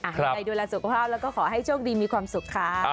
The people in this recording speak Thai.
อ่ะให้ใครดูลาสุขภาพแล้วก็ขอให้โชคดีมีความสุขค่ะ